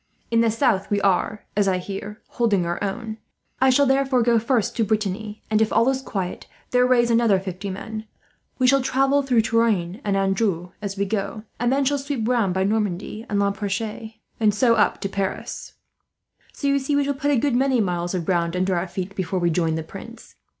"In the south we are, as I hear, holding our own. I shall therefore go first to Brittany and, if all is quiet, there raise another fifty men. We shall travel through Touraine and Anjou as we go, and then sweep round by Normandy and La Perche, and so up to Paris. "So you see, we shall put a good many miles of ground under our feet, before we join the Prince.